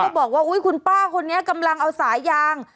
บอกว่าอุ๊ยคุณป้าคนนี้กำลังเอาสายยาง